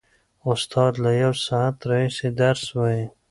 استاد له یوه ساعت راهیسې درس وايي.